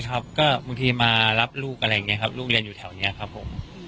ครับก็บางทีมารับลูกอะไรอย่างนี้ครับลูกเรียนอยู่แถวนี้ครับผม